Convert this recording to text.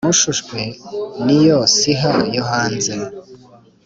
mushushwe n'iyo siha yo hanze